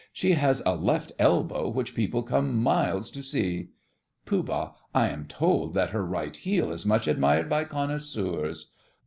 She has a left elbow which people come miles to see! POOH. I am told that her right heel is much admired by connoisseurs.